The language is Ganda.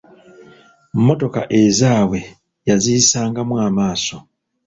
Mmotoka ezaabwe yaziyisangamu amaaso.